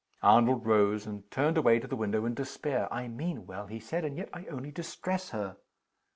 Arnold rose, and turned away to the window in despair. "I mean well," he said. "And yet I only distress her!"